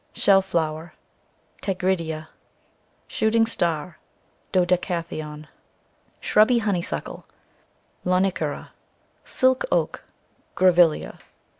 Shell Flower, cc Tigridia. Shooting Star, ct Dodecatheon. Shrubby Honeysuckle, cc Lonicera. Silk Oak, cc Grevillea.